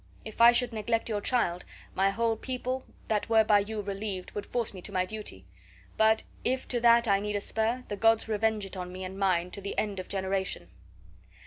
If I should neglect your child, my whole people that were by you relieved would force me to my duty; but if to that I need a spur, the gods revenge it on me and mine to the end of generation."